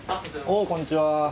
おおこんにちは。